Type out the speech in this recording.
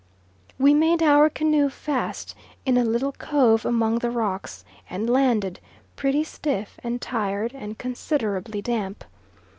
We made our canoe fast in a little cove among the rocks, and landed, pretty stiff and tired and considerably damp.